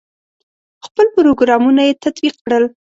خپل پروګرامونه یې تطبیق کړل.